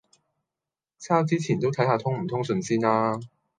抄之前都睇吓通唔通順先呀